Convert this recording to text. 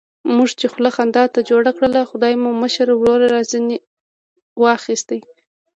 موږ چې خوله خندا ته جوړه کړله، خدای مو مشر ورور را ځنې واخیست.